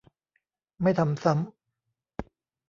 ไม่ทำซ้ำ